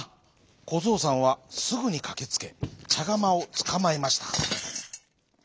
こぞうさんはすぐにかけつけちゃがまをつかまえました。